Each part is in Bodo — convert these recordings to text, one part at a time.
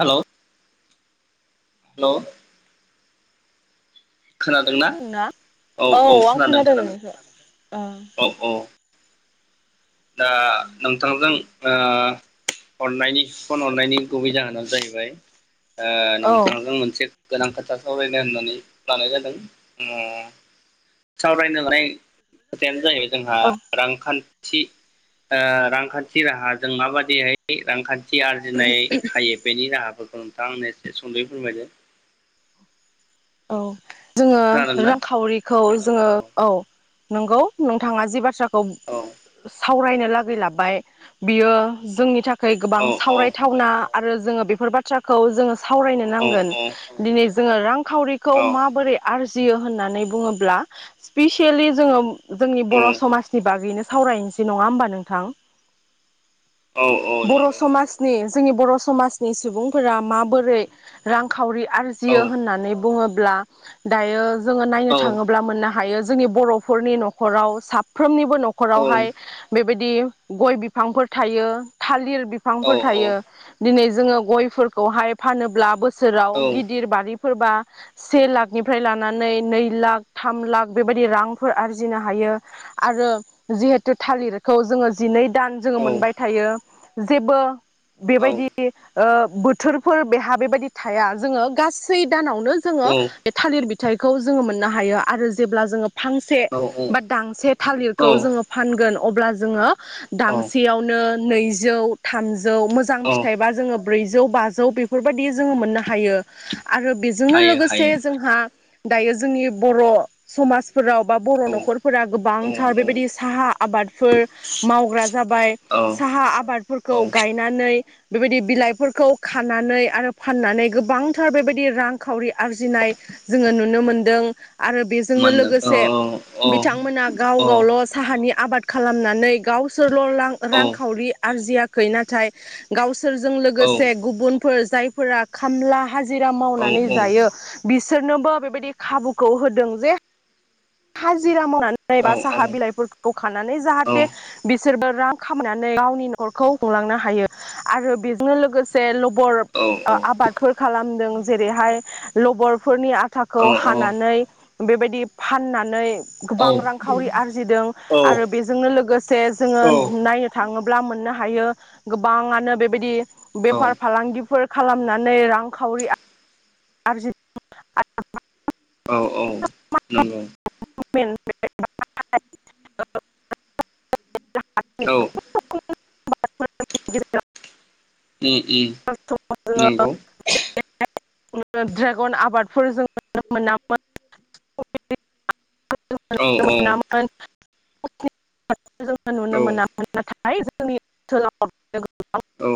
हेलौ हेलौ खोनादोंना होन ना औ आं खोनादों नोंनिखौ औ दा नोंथांजों ओ हरनायनि फन हरनायनि गुबै जाहोनानो जाहैबाय ओ नोंथांजों मोनसे गोनां खोथा सावरायनो होननानै लानाय जादों उम सावरायनो लानाय खोथायानो जाहैबाय जोंहा औ रांखान्थ थि ओ रांखान्थि राहाजों माबायदिहाय बेरांखान्थ थि आरजिनाय हायो बेनि राहाफोर नोंथाङा आंनो एसे सुंदयै फोरमायदो औ जोङो खोनादोंना रांखावरिखौ जोङो औ नंगौ नोंथाङा जि बाथ्रा खौ औ सावरायनो लागै लाबाय बियो जोंनि थाख खै गोबां औ सावरायथावना आरो जोङो बेफोर बाथ्राखौ जोङो सावरायनो नांगोन औ औ दिनै जोङो रां खावरिखौ औ माबोरै आरजि जियो होननानै बुङोब्ला स्पेसियेलि जोङो जोंनि बर' औ समाजनि बागैनो सावरायनोसै नङा होमबा नोंथां? औ औ बर' नंगौ समाजनि जोंनि बर' समाजनि सुबुंफोरा माबोरै रांखावरि औ आरजियो होननानै बुङोब्ला दायो जोङो नायनो औ थाङोब्ला मोन्ना हायो जोंनि बर'फोरनि न'खराव साफ्रोमनि बो औ न'खरावहाय बे बायदि गय बिफांफोर थायो थालिर औ बिफांफोर थायो दिनै जोङो गयफोरखौहाय फानोब्ला बो सोराव औ गिदिर बारि फोरबा से लाखनिफ्राय लानानै नै लाख थाम लाख बेबायदि रांफोर आरजिनो हायो आरो जिहेतु थालिरखौ जोङो जिनै दान जोङो मोनबाय थायो जेबो बेबायदि ओ बोथोरफोर बेहा बेबायदि थाया जोङो गासै दानावनो जोङो बे थालिर बि थाइखौ जोङो मोननो हायो आरो जेब्ला जोङो फांसे औ बा दांसे औ थालिरखौ जोङो फानगोन अब्ला जोङो औ दांसेयावनो नैजौ थाम जौ मोजां औ फिथाइबा जोङो ब्रैजौ बाजौ बेफोरबायदि जोङो मोननो हायो आरो जोंनो हायो लोगोसे हायो जोंहा दायो जोंनि बर' समाज फोराव बा बर' औ न'खरफोरा औ गोबांथार बेबायदि साहा आबादफोर मावग्रा जाबाय औ साहा आबादफोरखौ औ गायनानै बेबायदि बिलाइफोरखौ खानानै आरो फाननानै गोबांथार बेबायदि रां खावरि आरजिनाय जोङो नुनो मोनदों आरो बेजोंनो मोनदों लोगोसे औ बिथांमोना गाव औ गावल' साहानि। आबाद खालामनानै गाव सोरल' रां औ रांखावरि आर्जियाखै नाथाय गाव सोरजों औ लोगोसे गुबुन फोर जायफोरा खामला हाजिरा औ मावनानै जायो बि बिसोरनोबो बेबायदि खाबुखौ होदों हाजिरा जों साहा बिलाइखौ जों खानानै जाहाथे बिसोर बिसोरबो रां खामायनानै गावनि न'खरखौ हमलांनो हायो आरो बेजों लोगोसे बर आबादफोर खालामदों जेरैहाय लबरफोरनि आथाखौ हानानै बेबायदि फाननानै गोबां रांखावरि आरजिदों आरो बेजोंनो लोगोसे जोङो नायनो थाङोब्ला मोननो हायो। थायो गोबाङानो बेबायदि बेफार औ फालांगिफोर खालामनानै रांखावरि आरजि औ औ नंगौ [unintelligible] औ [unintelligible] उम उम नंगौ ड्रागन आबादफोर जों नुनो मोनामोन। औ औ मोनामोन [inaudible] जोङो नुनो मोनामोन नाथाय [unintelligible] औ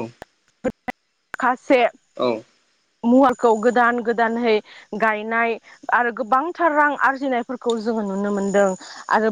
माखासे औ मुवाखौ गोदान गोदानहै गायनाय आरो गोबांथार रां आरजिनायफोरखौ जोङो नुनो मोनदों आरो